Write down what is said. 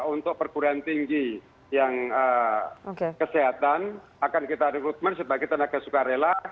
untuk perguruan tinggi yang kesehatan akan kita rekrutmen sebagai tenaga sukarela